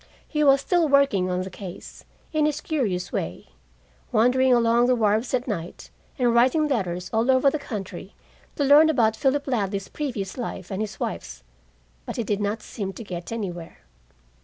He was still working on the case, in his curious way, wandering along the wharves at night, and writing letters all over the country to learn about Philip Ladley's previous life, and his wife's. But he did not seem to get anywhere.